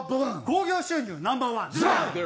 興行収入ナンバーワン。